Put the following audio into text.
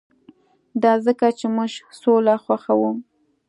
دا ځکه چې موږ سوله خوښوو